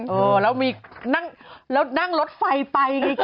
ชัยชอบตรงนี้นั่งรถไฟไป